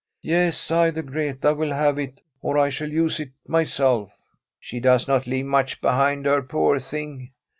* Yes ; either Greta will have it, or I shall use it mjTselL' * She does not leave much behind her, poor thing!'